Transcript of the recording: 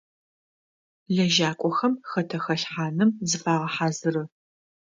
Лэжьакӏохэм хэтэ хэлъхьаным зыфагъэхьазыры.